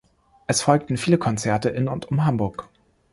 Es folgten viele Konzerte in und um Hamburg.